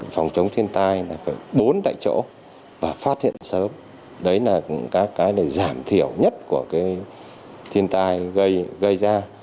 phòng chống thiên tai là phải bốn đại chỗ và phát hiện sớm đấy là cái giảm thiểu nhất của cái thiên tai gây ra